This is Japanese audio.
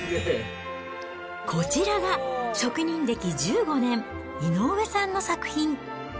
こちらが職人歴１５年、井上さんの作品。